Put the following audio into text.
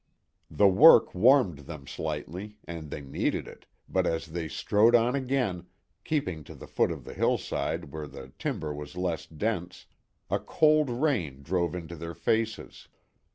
The work warmed them slightly, and they needed it, but as they strode on again, keeping to the foot of the hillside where the timber was less dense, a cold rain drove into their faces.